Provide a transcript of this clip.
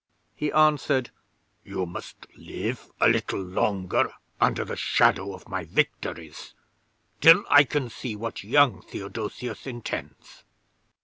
He answered: "You must live a little longer under the shadow of my victories, till I can see what young Theodosius intends.